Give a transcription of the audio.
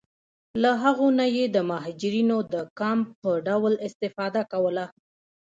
له هغو نه یې د مهاجرینو د کمپ په ډول استفاده کوله.